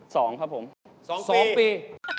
สองครับสองปี